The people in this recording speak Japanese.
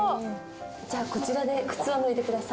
じゃあこちらで靴を脱いでください。